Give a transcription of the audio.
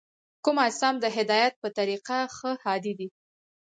کوم اجسام د هدایت په طریقه ښه هادي دي؟